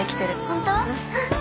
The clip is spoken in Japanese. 本当？